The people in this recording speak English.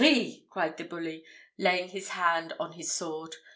_" cried the bully, laying his hand on his sword.